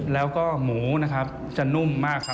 แล้วก็หมูนะครับจะนุ่มมากครับ